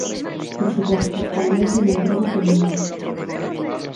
Por suposto, ademais, é un emprego feminino.